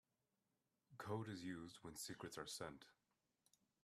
Code is used when secrets are sent.